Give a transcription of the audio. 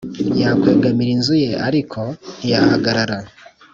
yakwegamira inzu ye ariko ntiyahagarara,